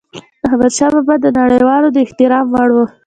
احمدشاه بابا د نړيوالو د احترام وړ و.